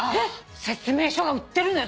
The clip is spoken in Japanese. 説明書が売ってるのよ。